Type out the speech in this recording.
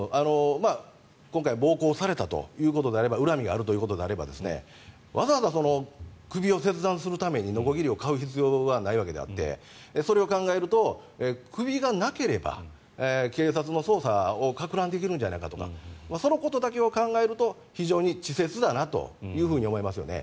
今回暴行されたということであれば恨みがあるということであればわざわざ首を切断するためにのこぎりを買う必要はないわけであってそれを考えると首がなければ警察の捜査をかく乱できるんじゃないかとかそのことだけを考えると非常に稚拙だなと思いますよね。